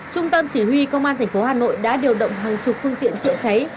trung tâm chỉ huy công an thành phố hà nội đã điều động hàng chục phương tiện chữa cháy